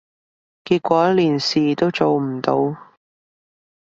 結果連事都做唔到